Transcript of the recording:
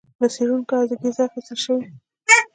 له څېړونکو انګېزه اخیستل شوې.